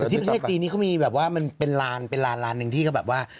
ที่ประเทศจีนนี้เขามีแบบว่ามันเป็นลานเป็นลานลานหนึ่งที่เขาแบบว่า